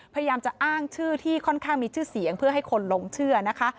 พยายามจะอ้างชื่อที่ค่อนข้างมีชื่อเสียงเพื่อให้คนหลงเชื่อนะคะ